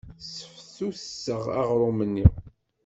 Sseftutseɣ aɣrum-nni.